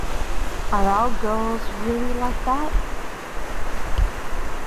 Are our girls really like that?